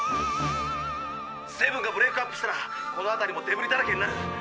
セブンがブレークアップしたらこの辺りもデブリだらけになる。